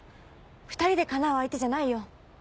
２人でかなう相手じゃないよ。